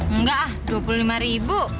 enggak ah dua puluh lima ribu